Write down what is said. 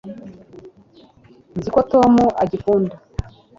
nzi ko tom agikunda